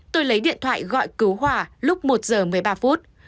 tôi lấy điện thoại gọi cứu hỏa lúc một giờ một mươi ba phút